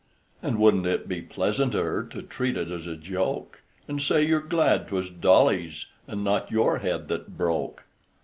And wouldn't it be pleasanter To treat it as a joke, And say you're glad 'twas Dolly's, And not your head that broke?